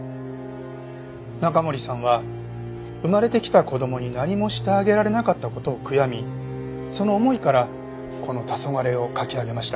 中森さんは生まれてきた子供に何もしてあげられなかった事を悔やみその思いからこの『黄昏』を描き上げました。